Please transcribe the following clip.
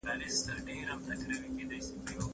آیا قاضي سړی پر طلاق مجبورولای سي؟